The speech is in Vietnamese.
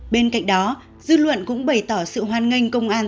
bên cạnh đó dư luận cũng bày tỏ sự hoan nghênh công an thành phố